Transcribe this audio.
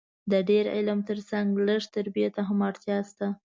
د ډېر علم تر څنګ لږ تربیې ته هم اړتیا سته